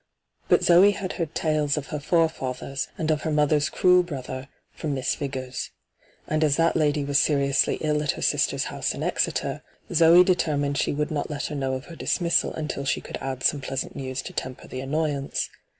But Zoe had heard tales of her forefathers, and of her mother's cruel brother, from Miss Vigors. And as that lady was seriously ill at her sister's house in Exeter, Zoe determined she would not let her know of her dismissal until she could add some pleasant news to temper the annoyance.